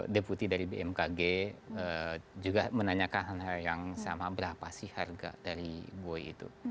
deputi dari bmkg juga menanyakan yang sama berapa sih harga dari bui itu